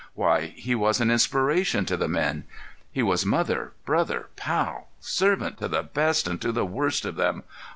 Why, he was an inspiration to the men! He was mother, brother, pal, servant to the best and to the worst of them.